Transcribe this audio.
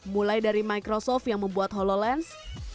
mulai dari microsoft yang membuat hololens